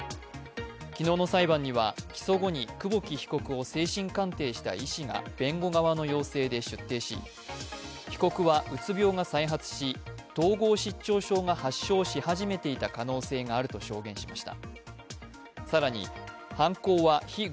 昨日の裁判には起訴後に久保木被告を精神鑑定した医師が弁護側の要請で出廷し、被告はうつ病が再発し統合失調症が発症し始めていた可能性があると証言しました。